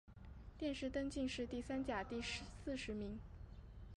殿试登进士第三甲第四十名。